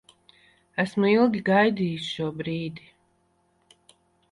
Esmu ilgi gaidījis šo brīdi.